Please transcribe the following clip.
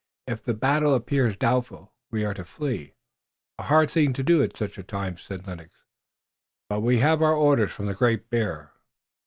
If the battle appears doubtful we are to flee." "A hard thing to do at such a time." "But we have our orders from the Great Bear."